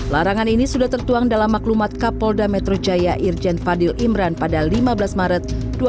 larangan ini sudah tertuang dalam maklumat kapolda metro jaya irjen fadil imran pada lima belas maret dua ribu dua puluh